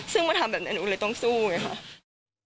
ซึ่งมาทำแบบนี้หนูเลยต้องสู้ไงค่ะ